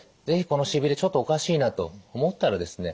このしびれちょっとおかしいなと思ったらですね